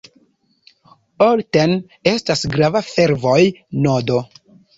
Olten estas grava fervoj-nodo.